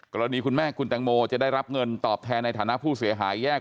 คุณแม่คุณแตงโมจะได้รับเงินตอบแทนในฐานะผู้เสียหายแยก